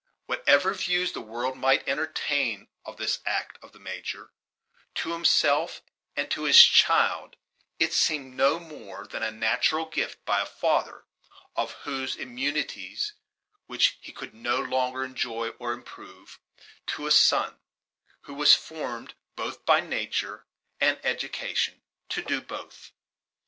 Whatever views the world might entertain of this act of the Major, to himself and to his child it seemed no more than a natural gift by a father of those immunities which he could no longer enjoy or improve, to a son, who was formed, both by nature and education, to do both.